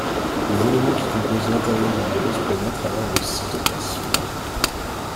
Les éléments qui composent l'intérieur du virus pénètrent alors le cytoplasme.